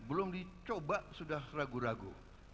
belum dicoba sudah ragu ragu